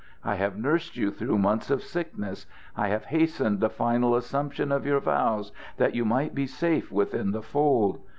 I have nursed you through months of sickness. I have hastened the final assumption of your vows, that you might be safe within the fold.